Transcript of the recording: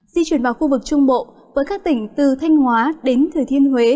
di chuyển vào khu vực trung bộ với các tỉnh từ thanh hóa đến thừa thiên huế